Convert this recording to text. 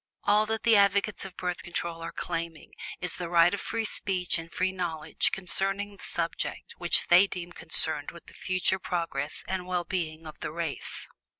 All that the advocates of Birth Control are claiming is the right of free speech and free knowledge concerning this subject which they deem concerned with the future progress and well being of the race.